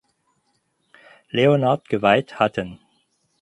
Leonhard geweiht hatten.